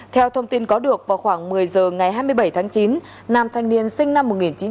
theo thông tin có được vào khoảng một mươi giờ ngày hai mươi bảy tháng chín nam thanh niên sinh năm một nghìn chín trăm tám mươi